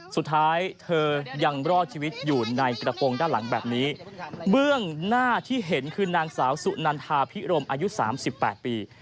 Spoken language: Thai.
สุดท้ายเธอยังรอดชีวิตอยู่ในกระโปรงด้านหลังแบบนี้เบื้องหน้าที่เห็นคือนางสาวสุนันทาพิรมอายุสามสิบแปดปี